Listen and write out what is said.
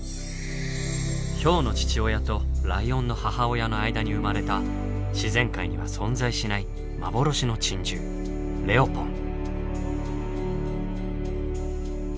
ヒョウの父親とライオンの母親の間に生まれた自然界には存在しない幻の珍獣「レオポン」。